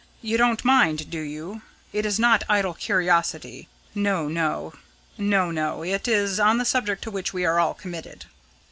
You don't mind, do you? It is not idle curiosity. No, no. It is on the subject to which we are all committed."